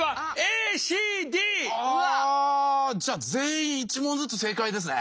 あじゃあ全員１問ずつ正解ですね。